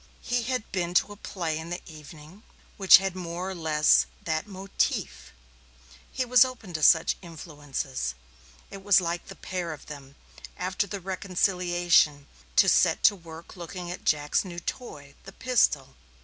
He had been to a play in the evening which had more or less that motif; he was open to such influences. It was like the pair of them, after the reconciliation, to set to work looking at Jack's new toy, the pistol.